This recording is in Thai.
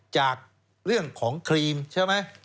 จากเรื่องของครีมใช่ไหม